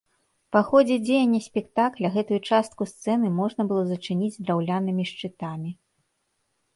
Па ходзе дзеяння спектакля гэтую частку сцэны можна было зачыніць драўлянымі шчытамі.